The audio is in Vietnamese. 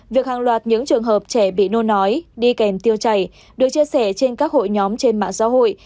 việc hàng loạt những trường hợp trẻ bị nôn nói đi kèm tiêu chảy được chia sẻ trên các hội nhóm trên mạng xã hội